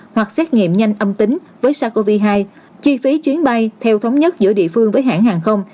hoặc xét nghiệm nhanh âm tính với sars cov hai chi phí chuyến bay theo thống nhất giữa địa phương với hãng hàng không